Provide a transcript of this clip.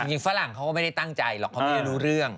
ฝรั่งเขาก็ไม่ได้ตั้งใจหรอกเขาไม่ได้รู้เรื่อง